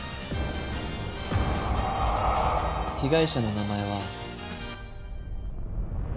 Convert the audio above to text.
被害者の名前は。